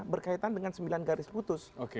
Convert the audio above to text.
berkaitan dengan sembilan garis putus